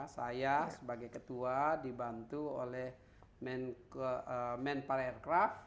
saya sebagai ketua dibantu oleh men parekraf